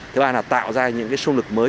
thứ ba là tạo ra những xung lực mới